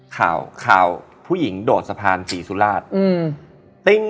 ข่าวข่าวผู้หญิงโดดสะพานศรีสุราช